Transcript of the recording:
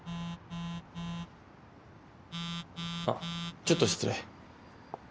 あっちょっと失礼。